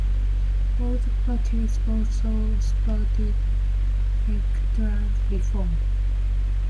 All the parties also support electoral reform.